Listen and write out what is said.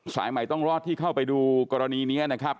สายใหม่ต้องรอดที่เข้าไปดูกรณีนี้นะครับ